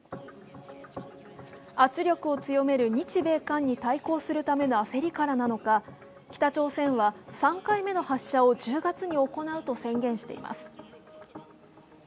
圧力を強める日米韓に対抗するための焦りからなのか、北朝鮮は３回目の発射を１０月に行うと宣言しています。